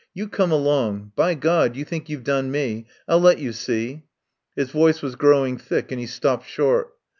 "You come along. By God, you think you've done me. I'll let you see." His voice was growing thick and he stopped short.